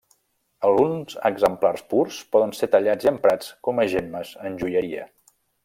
Alguns exemplars purs poden ser tallats i emprats com a gemmes en joieria.